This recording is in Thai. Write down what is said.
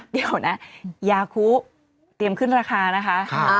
เดี๋ยวนะยาคุเตรียมขึ้นราคานะคะ